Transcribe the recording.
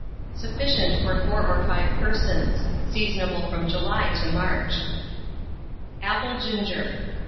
Sufficient for 4 or 5 persons. Seasonable from July to March. APPLE GINGER.